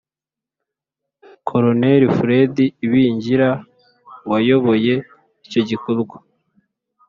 koloneli fred ibingira wayoboye icyo gikorwa